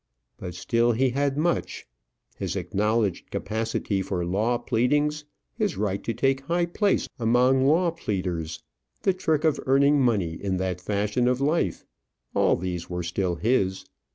But still he had much; his acknowledged capacity for law pleadings, his right to take high place among law pleaders, the trick of earning money in that fashion of life; all these were still his.